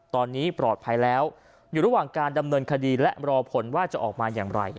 ตอนนี้ปลอดภัยแล้วอยู่ระหว่างการดำเนินคดีและรอผลว่าจะออกมาอย่างไร